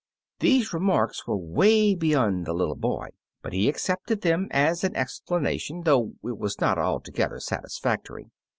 These remarks were way beyond the little boy, but he accepted them as an ex planation, though it was not altogether satisfactory.